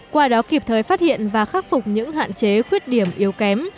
qua đó kịp thời phát hiện và khắc phục những hạn chế khuyết điểm yếu kém